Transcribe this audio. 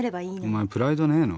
お前プライドねえの？